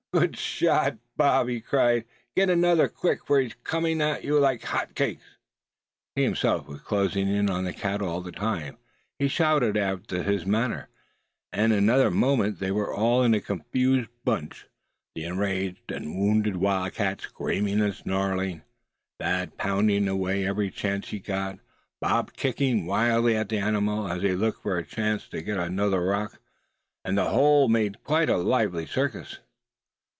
"Good shot, Bob!" he cried. "Get another, quick, for he's coming after you like hot cakes!" He himself was closing in on the cat all the time he shouted after this manner. In another moment they were all in a confused bunch, the enraged and wounded wildcat screaming and snarling; Thad pounding away every chance he got; Bob kicking wildly at the animal, as he looked for a chance to get hold of another stone; and the whole making quite a lively circus.